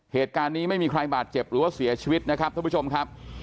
เหตุการณ์นี้ไม่มีใครบาดเจ็บหรือว่าเสียชีวิตนะครับท่านผู้ชมครับ